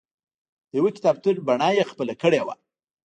د یوه کتابتون بڼه یې خپله کړې وه.